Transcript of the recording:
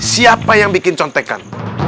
siapa yang bikin centekan